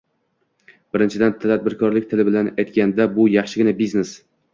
Birinchidan, tadbirkorlik tili bilan aytganda, bu yaxshigina biznes.